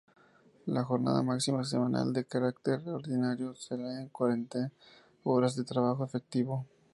La jornada máxima semanal de carácter ordinario será de cuarenta horas de trabajo efectivo.